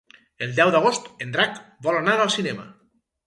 El deu d'agost en Drac vol anar al cinema.